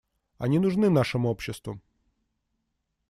Они нужны нашим обществам.